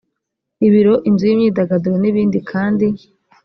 ibiro inzu y imyidagaduro n ibindi kandi